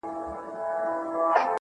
• په تعویذ مو قسمتونه چپه کیږي -